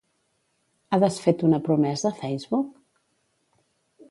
Ha desfet una promesa, Facebook?